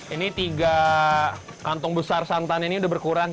ini tiga kantong besar santan ini udah berkurang